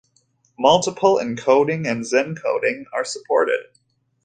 Multiple encoding and zencoding are supported.